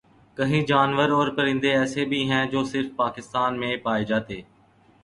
کہیں جانور اور پرندے ایسے بھی ہیں جو صرف پاکستان میں پائے جاتے